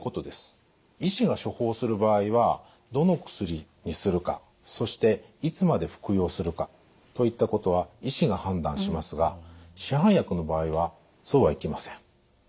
医師が処方する場合はどの薬にするかそしていつまで服用するかといったことは医師が判断しますが市販薬の場合はそうはいきません。